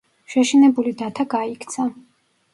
შეშინებული დათა გაიქცა.